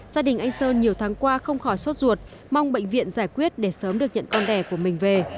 gia đình anh sơn nhiều tháng qua không khỏi suốt ruột mong bệnh viện giải quyết để sớm được nhận con đẻ của mình về